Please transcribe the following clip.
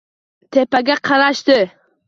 Tepaga qarashdi.